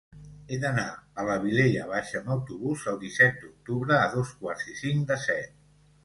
He d'anar a la Vilella Baixa amb autobús el disset d'octubre a dos quarts i cinc de set.